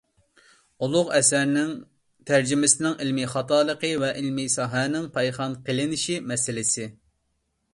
ئۇلۇغ ئەسەرنىڭ تەرجىمىسىنىڭ ئىلمىي خاتالىقى ۋە ئىلمىي ساھەنىڭ پايخان قىلىنىشى مەسىلىسى